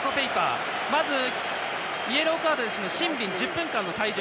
まずイエローカードなのでシンビン、１０分間の退場。